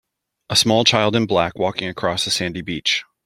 A small child in black walking across a sandy beach.